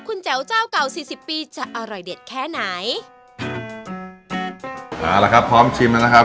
คุณแจ๋วเจ้าเก่าสี่สิบปีจะอร่อยเด็ดแค่ไหนเอาละครับพร้อมชิมแล้วนะครับ